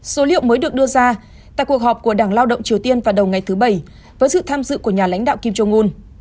số liệu mới được đưa ra tại cuộc họp của đảng lao động triều tiên vào đầu ngày thứ bảy với sự tham dự của nhà lãnh đạo kim jong un